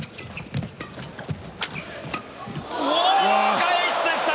返してきた！